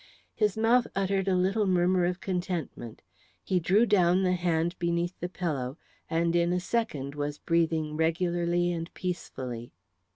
His mouth uttered a little murmur of contentment, he drew down the hand beneath the pillow, and in a second was breathing regularly and peacefully.